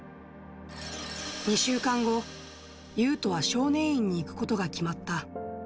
２週間後、ユウトは少年院に行くことが決まった。